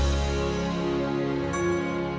sampai jumpa kembali sendiri